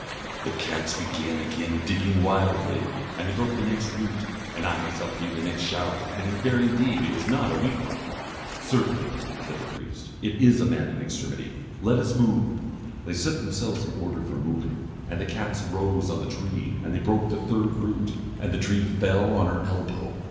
The cats began again digging wildly, and they broke the next root; and I myself gave the next shout, and in very deed it was not a weak one. 'Certainly,' said the priest, 'it is a man in extremity let us move.' They set themselves in order for moving. And the cats arose on the tree, and they broke the third root, and the tree fell on her elbow.